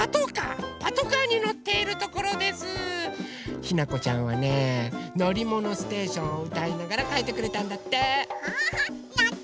ひなこちゃんはね「のりものステーション」をうたいながらかいてくれたんだって！